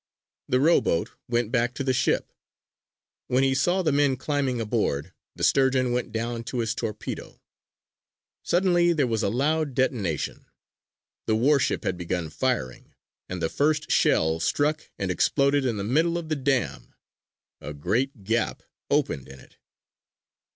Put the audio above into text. The rowboat went back to the ship. When he saw the men climbing aboard, the Sturgeon went down to his torpedo. Suddenly there was a loud detonation. The warship had begun firing, and the first shell struck and exploded in the middle of the dam. A great gap opened in it.